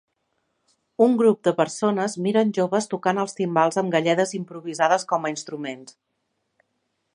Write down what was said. Un grup de persones miren joves tocant els timbals amb galledes improvisades com a instruments.